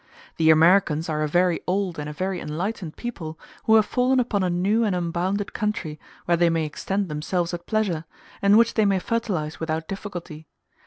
The Americans are a very old and a very enlightened people, who have fallen upon a new and unbounded country, where they may extend themselves at pleasure, and which they may fertilize without difficulty.